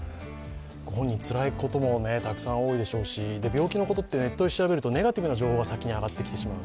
ご本人、つらいこともたくさん多いでしょうし病気のことってネットで調べるとネガティブなことがまず上がってきてしまう。